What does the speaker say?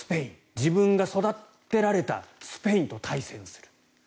自分が育てられたスペインと対戦する。